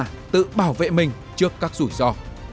chính là tự bảo vệ mình trước các rủi ro